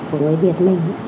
của người việt mình